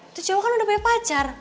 itu cowok kan udah punya pacar